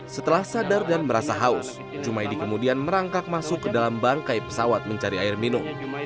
setelah sadar dan merasa haus jumaidi kemudian merangkak masuk ke dalam bangkai pesawat mencari air minum